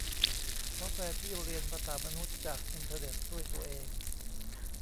ซอฟต์แวร์ที่เรียนภาษามนุษย์จากอินเทอร์เน็ตด้วยตัวเอง